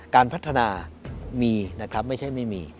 การพัฒนามีนะครับไม่ใช่ไม่มี